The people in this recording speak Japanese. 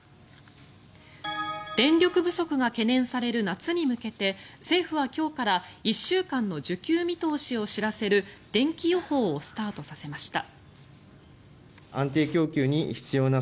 電力不足が懸念される夏に向けて政府は今日から１週間の需給見通しを知らせるでんき予報をスタートさせました。